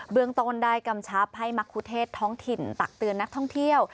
เมืองต้นได้กำชับให้มะคุเทศท้องถิ่นตักเตือนนักท่องเที่ยว